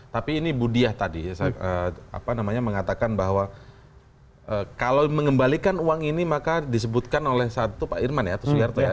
tapi ini budiah tadi mengatakan bahwa kalau mengembalikan uang ini maka disebutkan oleh satu pak irman ya